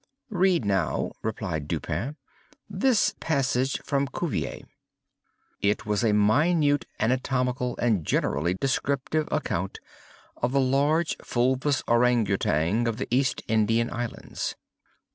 "Read now," replied Dupin, "this passage from Cuvier." It was a minute anatomical and generally descriptive account of the large fulvous Ourang Outang of the East Indian Islands.